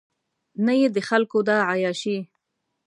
نه یې د خلکو دا عیاشۍ.